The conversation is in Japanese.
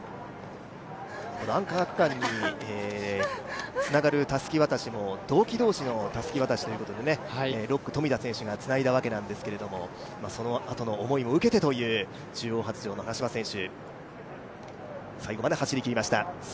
アンカー区間につながるたすき渡しも同期同士のたすき渡しということで６区、冨田選手が渡したということなんですけどそのあとの思いを受けてという中央発條の原嶋選手、最後まで走りきりました。